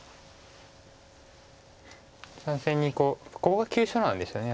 ３線にここが急所なんですよね